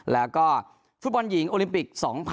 แล้วก็ฟุตบอลหญิงโอลิมปิก๒๐๑๖